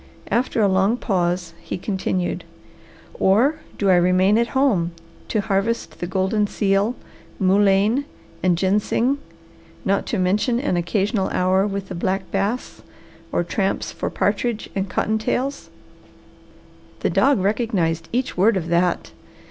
After a long pause he continued: "Or do I remain at home to harvest the golden seal, mullein, and ginseng, not to mention an occasional hour with the black bass or tramps for partridge and cotton tails?" The dog recognized each word of that.